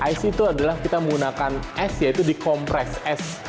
ice itu adalah kita menggunakan s yaitu di kompleks es